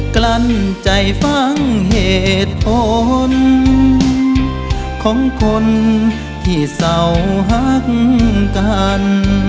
กลั้นใจฟังเหตุผลของคนที่เศร้าฮักกัน